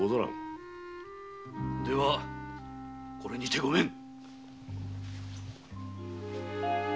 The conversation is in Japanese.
ではこれにてごめん！